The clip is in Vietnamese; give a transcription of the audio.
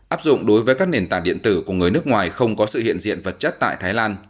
áp dụng đối với các nền tảng điện tử của người nước ngoài không có sự hiện diện vật chất tại thái lan